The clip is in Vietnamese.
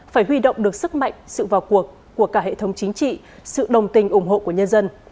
phải huy động được sức mạnh sự vào cuộc của cả hệ thống chính trị sự đồng tình ủng hộ của nhân dân